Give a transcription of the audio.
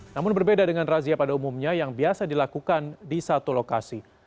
namun berbeda dengan razia pada umumnya yang biasa dilakukan di satu lokasi